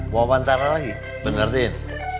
bawa wawancara lagi bener tin